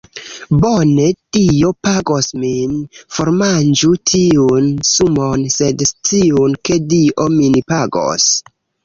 Bone, Dio pagos min. Formanĝu tiun sumon sed sciu ke Dio min pagos